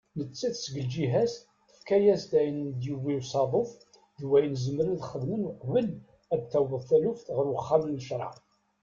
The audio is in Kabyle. Nettat seg lǧiha-as tefka-yas-d ayen i d-yewwi usaḍuf d wayen zemren ad xedmen uqbel ad taweḍ taluft ɣer uxxam n ccraɛ.